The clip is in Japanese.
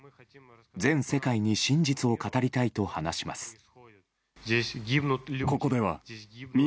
全世界に真実を語りたいと話します。